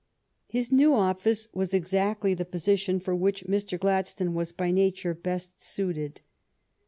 His new office was exactly the position for which Mr. Gladstone was by nature best suited.